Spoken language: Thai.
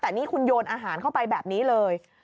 แต่นี่คุณโยนอาหารเข้าไปแบบนี้เลย